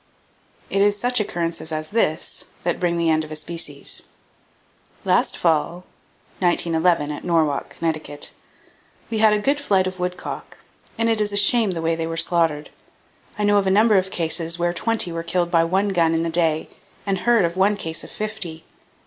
It is such occurrences as this that bring the end of a species: "Last fall [1911, at Norwalk, Conn.] we had a good flight of woodcock, and it is a shame the way they were slaughtered. I know of a number of cases where twenty were killed by one gun in the day, and heard of one case of fifty.